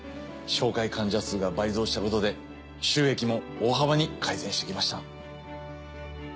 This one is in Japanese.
紹介患者数が倍増したことで収益も大幅に改善してきました。